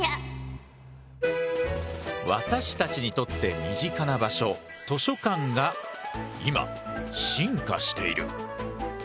私たちにとって身近な場所図書館が今進化している。